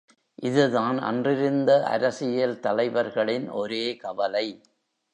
இதுதான் அன்றிருந்த அரசியல் தலைவர்களின் ஒரே கவலை.